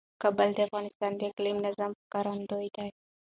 کابل د افغانستان د اقلیمي نظام ښکارندوی ده.